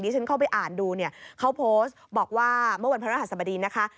ฉันเข้าไปอ่านดูเนี่ยเขาโพสต์บอกว่าเมื่อวันพระรหัสบดีนะคะ